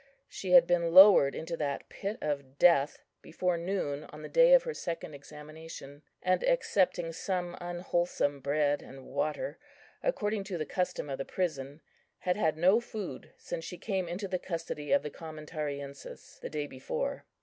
She had been lowered into that pit of death before noon on the day of her second examination, and, excepting some unwholesome bread and water, according to the custom of the prison, had had no food since she came into the custody of the commentariensis the day before.